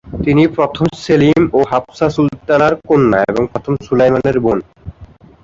তিনি প্রথম সেলিম ও হাফসা সুলতানের কন্যা এবং প্রথম সুলাইমানের বোন।